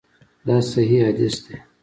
دا صحیح حدیث دی.